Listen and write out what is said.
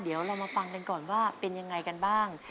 เดี๋ยวเรามาฟังกันก่อนว่าเป็นยังไงกันบ้าง